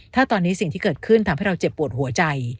ถ้าตอนนี้สิ่งที่เกิดขึ้นทำให้เราเจ็บปวดหัวใจ